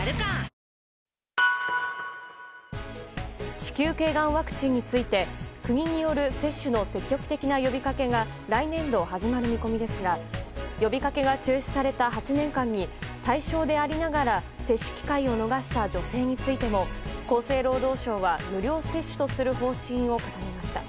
子宮頸がんワクチンについて国による接種の積極的な呼びかけが来年度、始まる見込みですが呼びかけが中止された８年間に対象でありながら接種機会を逃した女性についても厚生労働省は無料接種とする方針を固めました。